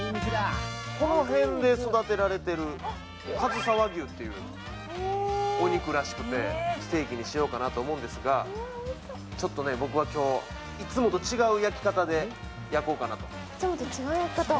この辺で育てられてるかずさ和牛っていうお肉らしくてステーキにしようかなと思うんですがちょっと僕は今日、いつもと違う焼き方で焼こうかなと。